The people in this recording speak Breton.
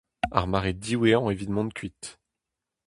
Ar mare diwezhañ evit mont kuit.